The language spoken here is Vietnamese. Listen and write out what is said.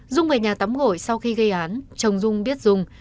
dung về nhà tắm gội sau khi gây án chồng dung biết dung